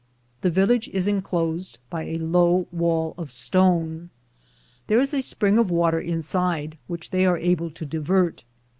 The village is inclosed by a low wall of stone. There is a spring of water inside, which they are able to divert.'